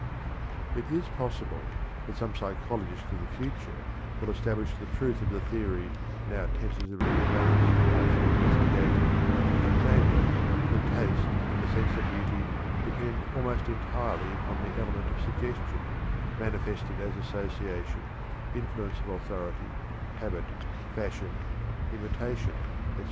It is possible that some psychologist of the future will establish the truth of the theory now tentatively advanced by a few investigators, namely, that taste and the sense of beauty depend almost entirely upon the element of suggestion, manifested as association, influence of authority, habit, fashion, imitation, etc.